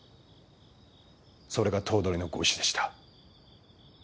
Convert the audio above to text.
それが頭取のご遺志でした。